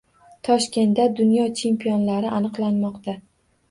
Toshkentda dunyo chempionlari aniqlanmoqda